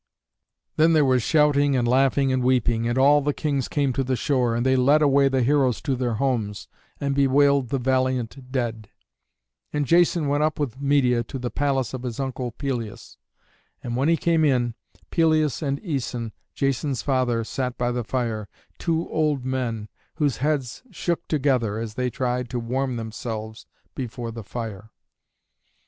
Then there was shouting and laughing and weeping, and all the kings came to the shore, and they led away the heroes to their homes, and bewailed the valiant dead. And Jason went up with Medeia to the palace of his uncle Pelias. And when he came in, Pelias and Æson, Jason's father, sat by the fire, two old men, whose heads shook together as they tried to warm themselves before the fire.